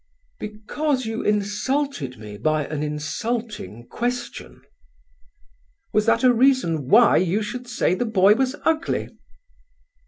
"Because you insulted me by an insulting question." "Was that a reason why you should say the boy was ugly?"